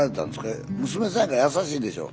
娘さんやから優しいでしょう。